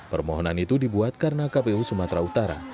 permohonan itu dibuat karena kpu sumatera utara